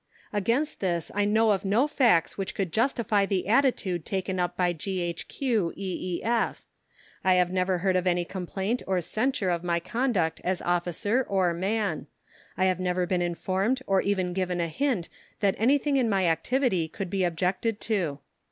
Against this I know of no facts which could justify the attitude taken up by G.H.Q., E.E.F. I have never heard of any complaint or censure of my conduct as Officer or Man; I have never been informed or even given a hint that anything in my activity could be objected to.